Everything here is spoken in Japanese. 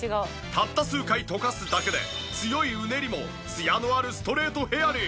たった数回とかすだけで強いうねりもツヤのあるストレートヘアに。